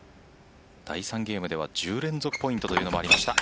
第３ゲームでは１０連続ポイントもありました。